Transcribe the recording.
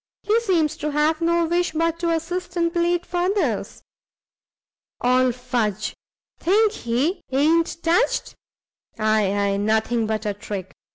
He seems to have no wish but to assist and plead for others." "All fudge! think he i'n't touched? ay, ay; nothing but a trick!